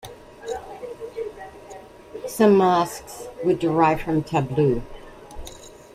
Some masques would derive from tableau.